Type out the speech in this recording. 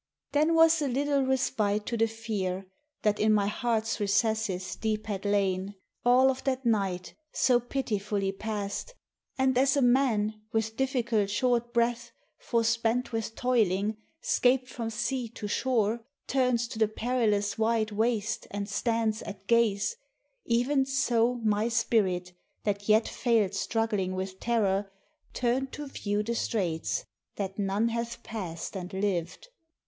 Then was a little respite to the fear, That in my heart's recesses deep had lain, All of that night, so pitifully pass'd: And as a man, with difficult short breath, Forespent with toiling, 'scap'd from sea to shore, Turns to the perilous wide waste, and stands At gaze; e'en so my spirit, that yet fail'd Struggling with terror, turn'd to view the straits, That none hath pass'd and liv'd.